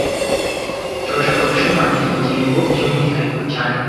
Turashaka gushimangira iyi ngingo byumwihariko cyane